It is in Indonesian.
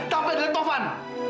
tapi adalah tovan